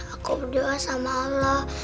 aku berdoa sama allah